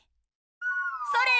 それ！